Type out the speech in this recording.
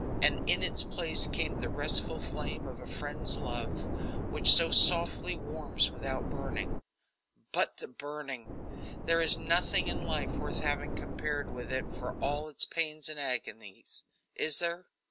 And in its place came the restful flame of a friend's love, which so softly warms without burning. But the burning! There is nothing in life worth having compared with it for all its pains and agonies. Is there?